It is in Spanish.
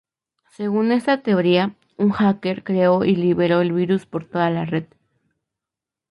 Según esta teoría, un hacker creó y liberó el virus por toda la red.